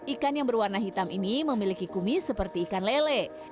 ikan yang berwarna hitam ini memiliki kumis seperti ikan lele